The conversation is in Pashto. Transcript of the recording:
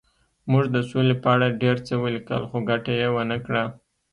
موږ د سولې په اړه ډېر څه ولیکل خو ګټه یې ونه کړه